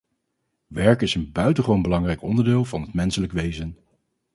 Werk is een buitengewoon belangrijk onderdeel van het menselijk wezen.